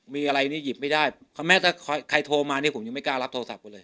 มีอะไรนี่หยิบไม่ได้เพราะแม้ถ้าใครโทรมาเนี่ยผมยังไม่กล้ารับโทรศัพท์คุณเลย